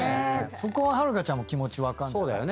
そこははるかちゃんも気持ち分かるんじゃない？